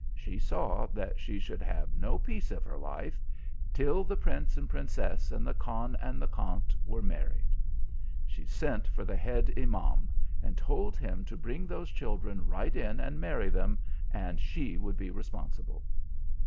She saw that she should have no peace of her life till the Prince and Princess and the Khan and Khant were married. She sent for the head Imam, and told him to bring those children right in and marry them, and she would be responsible.